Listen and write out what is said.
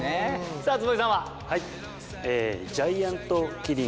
さあ坪井さんは。